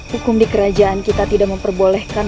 hukum di kerajaan kita tidak memperbolehkan